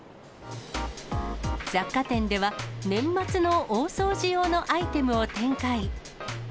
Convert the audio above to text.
雑貨店では、年末の大掃除用のアイテムを展開。